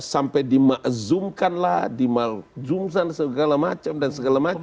sampai dimakzumkan lah dimakzumkan segala macam dan segala macam